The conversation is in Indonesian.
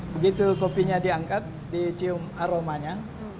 begitu kopinya diangkat dicium aromanya